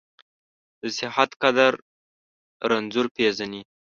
د صحت قدر رنځور پېژني.